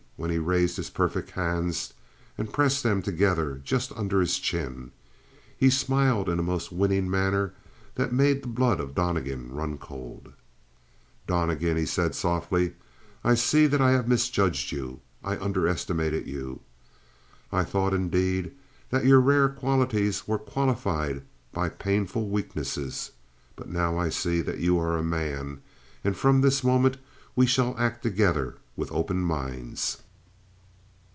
When he raised his perfect hands and pressed them together just under his chin. He smiled in a most winning manner that made the blood of Donnegan run cold. "Donnegan," he said softly, "I see that I have misjudged you. I underestimated you. I thought, indeed, that your rare qualities were qualified by painful weaknesses. But now I see that you are a man, and from this moment we shall act together with open minds.